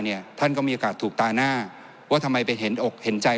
ท่านก็มีโอกาสถูกตาหน้าว่าทำไมไปเห็นอกเห็นใจ